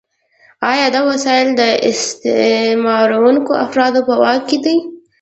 آیا دا وسایل د استثمارونکو افرادو په واک کې دي؟